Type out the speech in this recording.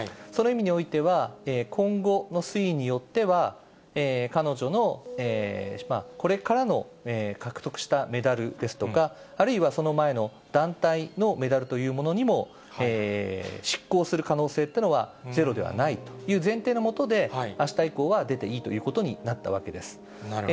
その意味においては、今後の推移によっては、彼女のこれからの獲得したメダルですとか、あるいはその前の団体のメダルというものにも、失効する可能性というのはゼロではないという前提の下で、あした以降は出ていいということになったわけです。